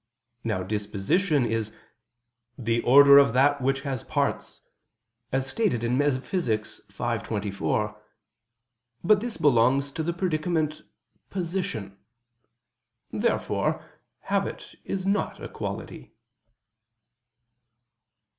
Now disposition is "the order of that which has parts," as stated in Metaph. v, text. 24. But this belongs to the predicament Position. Therefore habit is not a quality.